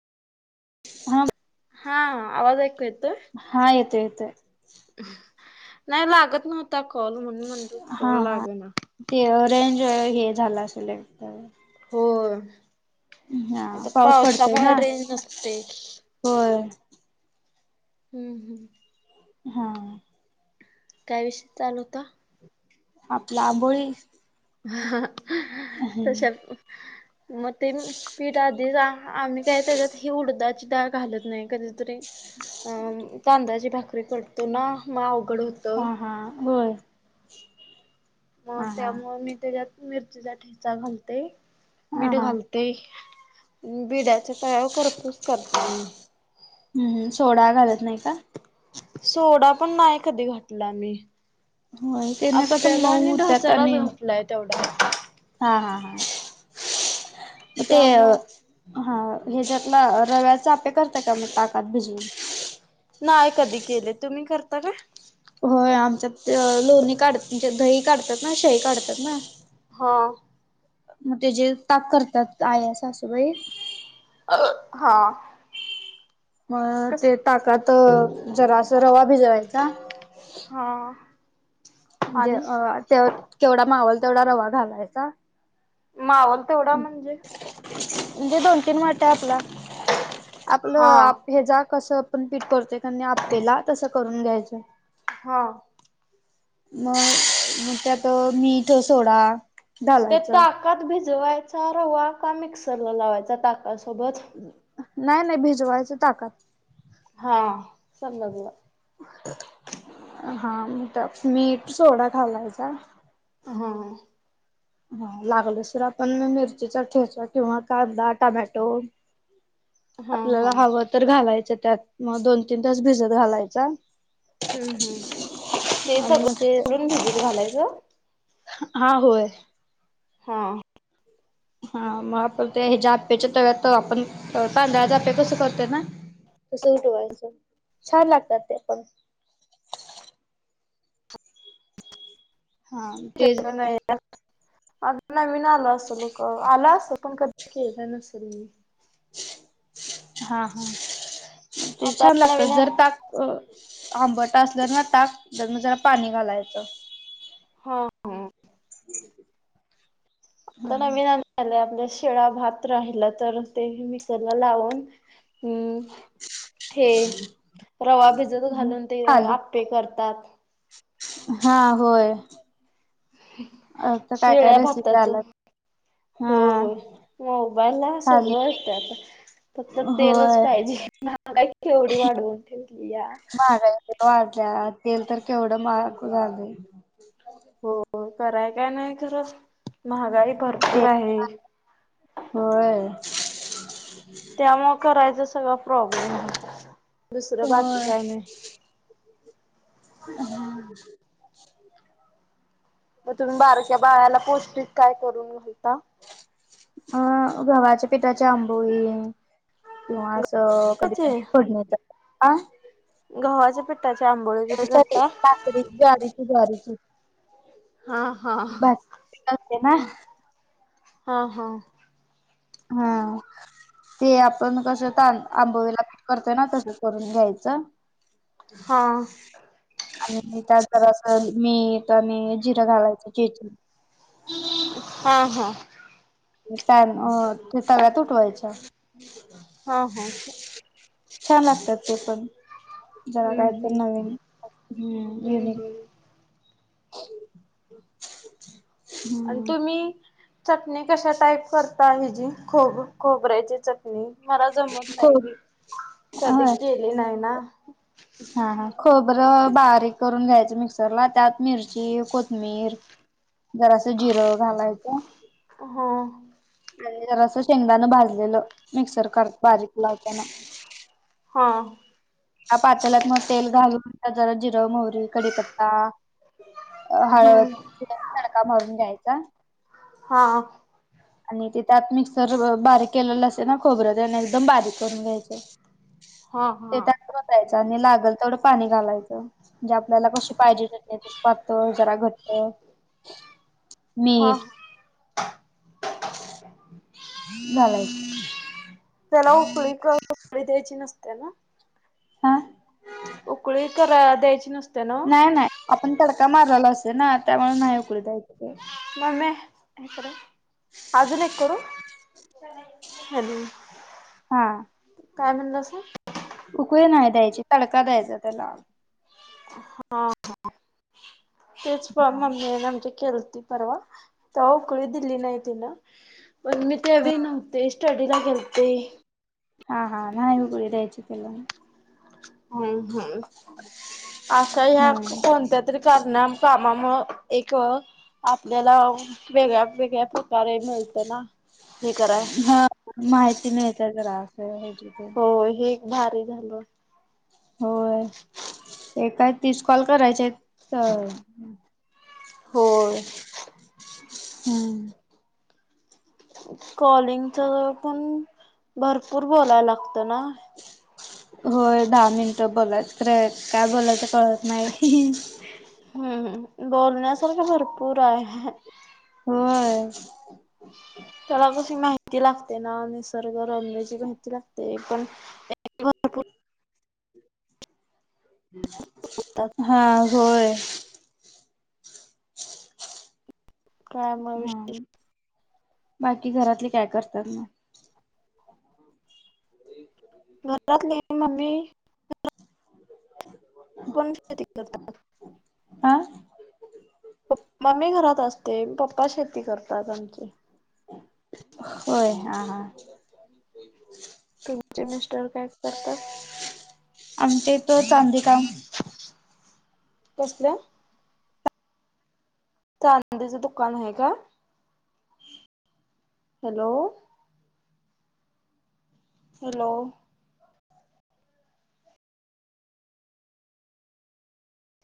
हा. हा आवाज ऐक येतोय. हा येत येत. नाही लागत नव्हता कल म्हण म्हणू हा कल हा लागे ना. ते रेंज हे झालं असेलेक्. हो हा आता पाऊस पावसामुळे रेंज नसते. हो. हम्म हम्म. हा. काय विषयी चालव होता. आपला आबोळी. ह तशा. हा मग ते पीठ आधीच आम्ही काय त्याच्यात ही उडदाची डाग. घालत नाही कधीतरी अ तांदाची भाकरी कतो ना मग अवघड होत. हा हा बोल. मग त्यामुळे मी त्याच्यात मिरचीचा ठेचा घालते. हा मीठ हा घालते बिड्याचा तयार करतच करत्ही. हम्म सोडा घालत नाही का. सोडा पण नाही कधी घटला मी. होय त्याने कसं आप्याला मऊ आणि होत्यात ढस्यालाच आणि घपलाय तेवढा. हा हा हा ते अ. त्यामुळं हा ह्याच्यातला रव्याचा आपे करतय का मग ताकात भिजवून. नाही कधी केले तुम्ही करता का. होय आमच्या लोणी काढत म्हणजे दही काढतात ना शही काढतात ना. हा. मग ते जे ताक करतात आया सासूबाई. अ हा. मग कस ते ताकात जरा अस रवा भिजवायचा. हा. म्हणजे आणि ते केवढा मावल तेवढा रवा घालायचा. माहोल तेवढा म्हणजे. म्हणजे दोन तीन वाट आहे आपला आपलं हा आप ह जा कस. आपण पीठ करतोय कार नाही आपेला तसं करून घ्यायचं. हा. मग त्यात मीठ सोडा ते घालायचं ताकात भिजवायचा रवा का मिक्सरला लावायचा ताकासोबत नाही नाही भिजवायचं ताकद हा समजलं हा मीठ सोडा घालायचा हा हा लागल सर आपण मिरचीचा ठेचा किंवा कांदा टमॅटो हा आपल्याला हा हवं तर घालायचं त्यात मग दोन तीन तास भिजत घालायचा हम्म हम् ते आणि मग ते सगळंून भिजत घालायचं हा होय हां हा मग आपण ते हेज्या आपेच्या तव्यात आपन तांदळाचे आपे कस करतोय ना तस उठवायचं छान लागतात ते पण हां तेच नवीन आलं अस लोक आला अस पण कधी केल नसेल मी हा हा ते आता छान लागत नवीन जर हा ताक अ आंब असलं ना ताक तर म जरा पाणी घालायचं हा [unintelligible] आता हम्म नवीनलं आपल शिळा भात राहिला तर ते मिक्सरला लावून हम् हे रवा भिजत घालून ते थाली आपे ते करतात हा होय आता काय काय शिळ्या रेसिपी भाताचं आल्यात हा हो मोबाईलला थाली सगळं येतय आता फक्त तेलच होय पाहिजे म का केवडी वाढवून ठेवली या महागाई वाटल्या तेल तर केवढं महाग झालं हो कराय काय नाही खरं महागाई ते भरपूर आहे होय त्यामुळ करायच सगळं प्रॉब्लेम आहे दुसरं बाकी होय. काही नाही हम् मग तुम्ही बारक्या बाळाला पौष्टिक काय करून घालता अं गव्हाच्या पिठाच्या आंबोळी किंवा अस [inaudible] गव्हाचे गव्हाच्या पिठाचे आंबोळी कसे करता ज्वारी ची ज्वारी ची हा हा ते ना हा हा हा ते आपण कस ताण आंबोळीला पिठ करतोय ना तसं करून घ्यायचं हा आणि त्यांतर असं मीठ आणि जिरं घालायचं चेचुन हा हा का ते तव्यात उठवायच्या हा हो छान लागतात ते पण जरा हम्म काय तर हम्म नवीन हम्म युनिक हम् आणि तुम्ही चटणी कशा टाईप करता ह जी खोब खोबऱ्याची चटणी मला जमत नाही खोब मी हा कधी केली नाही ना हा हा खबरं बारीक करून घ्यायचं मिक्सरला त्यात मिरची कोथमीिर जर असं जिरं घालायचं हा स शेंगदाान भाजलेलं मिक्सर करत भाजक लावते ना हा पातळत मग तेल घालून जरा जिरं मोहरी कडीीपत्ता हळवद तडका मारून घ्यायचा हा आणि ते त्यात मिक्सर बारीक केलेला असेल ना खोबरं त्याना एकदम बारीक करून घ्यायचं हा ते हा त्यात होयचं आणि लागल तेवढं पाणी घालायचं जे आपल्याला कशी पाहिजे पाह जरा घटत हा झालाय त्याला उकळी उकळी द्यायची नसते ना हा उकळी करा द्यायची नसते ना नाही नाही आपण तडका माराला असे ना त्यामुळे नाही उकळू द्यायचं ते. मम तर अजून एक करू अ हा काय म्हणलं असं उकळी नाही द्यायची तडका द्यायचा त्याला हा तेच प हा. मममी आमच्या खलती परवा त उकळी दिल्ली नाहीतीि ना पग मी तेवे नव्हते स्टडीला खेलते हा हा नाही उघळी द्यायची पला हम्म हम्म अशा ह्या हा कोणत्या प्रकार कामामु एक आपल्याला वेगळ्या वेगळ्या कारय मिळतं ना हे कराय हा. माहिती मिळते जरा असं हची हो हे भारी झालं होय एय तीस कॉल करायचे हो होय हम्म कॉलिंगच पण भरपूर बोलाय लागत ना होय दहा मिनटं बोलायच काय बोलायचं कळत नाही हम्म बोलण्यासारखं भरपूर आहे होय त्याला कशी माहिती लागते ना निसर्ग रमण्याची माहिती लागते पण भरपूर हा होय काय मग हा विशेष बाकी घरातले काय करतात म घरात नाही मम्मी ह पण शेती करतात हा ् मम्मी घरात असते पप्पा शेती करतात आमची होय हा हा तुमचे मस्टर काय करतात आमच्या तो चांदी का कसलं चनंदीच दुकान आहे का हॅलो हॅलो